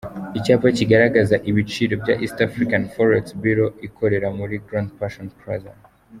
Icyapa kigaragaza ibiciro bya East African forex bureau ikorera muri Grand pension plazza.